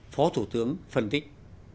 phó thủ tướng phân tích